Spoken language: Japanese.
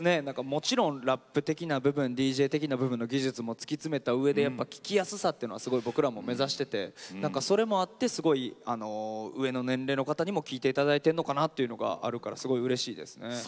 もちろんラップ的な部分ＤＪ的な部分の技術も突き詰めたうえで聴きやすさっていうのは僕らも目指しててそれもあってすごい上の年齢の方にも聴いて頂いてるのかなっていうのがあるからすごいうれしいですね。